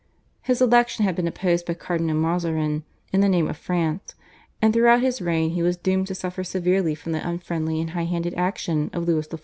His election had been opposed by Cardinal Mazarin in the name of France, and throughout his reign he was doomed to suffer severely from the unfriendly and high handed action of Louis XIV.